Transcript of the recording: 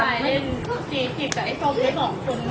มันจะเจ็บไง